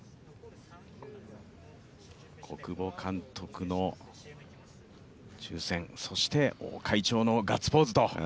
小久保監督の抽選、そして王会長のガッツポーズと。